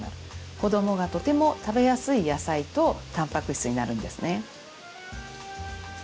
子どもがとても食べやすい野菜とたんぱく質になるんですね。